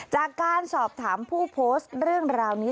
จากการสอบถามผู้โพสต์เรื่องราวนี้